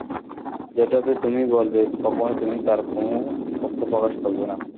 যেটাতে তুমি বলবে, কখনোই তুমি তার কোনো তথ্য প্রকাশ করবে না।